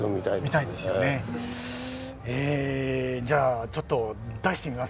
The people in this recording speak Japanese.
えじゃあちょっとえっ？